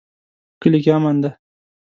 په کلي کې امن ده